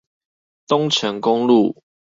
東成公路